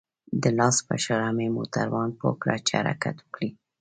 د لاس په اشاره مې موټروان پوه كړ چې حركت وكړي.